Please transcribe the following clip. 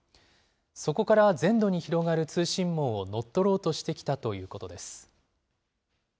そこから全土に広がる通信網を乗っ取ろうとしてきたということです。